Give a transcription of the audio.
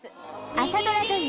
朝ドラ女優